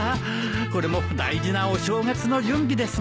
これも大事なお正月の準備ですものねえ。